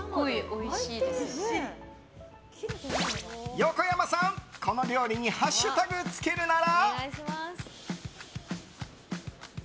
横山さん、この料理にハッシュタグつけるなら？